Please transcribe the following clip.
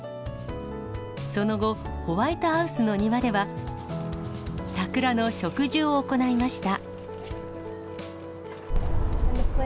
その後、ホワイトハウスの庭では、桜の植樹を行いました。